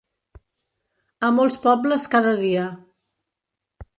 A molts pobles cada dia.